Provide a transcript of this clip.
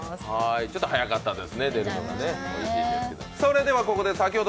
ちょっと早かったですね、出るのがね、おいしいんですけど。